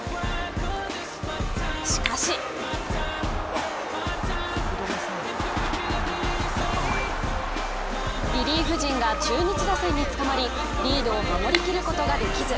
しかしリリーフ陣が中日打線に捕まりリードを守り切ることができず。